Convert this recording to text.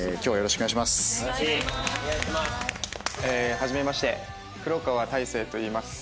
はじめまして黒川大聖といいます。